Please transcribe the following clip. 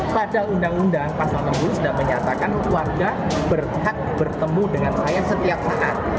pada undang undang pasal enam puluh sudah menyatakan warga berhak bertemu dengan saya setiap saat